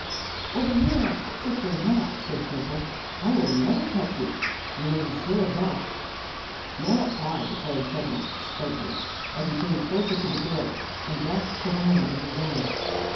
"Whether you are the tuxix or not," said Twinkle, "I never will touch you. You may be sure of that." "Nor I," declared Chubbins, stoutly, as he came closer to the girl and grasped her hand in his own.